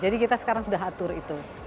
jadi kita sekarang sudah atur itu